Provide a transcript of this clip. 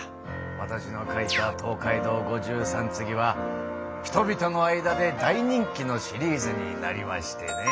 わたしの描いた「東海道五十三次」は人々の間で大人気のシリーズになりましてね。